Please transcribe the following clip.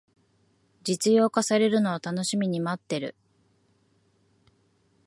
実用化されるのを楽しみに待ってる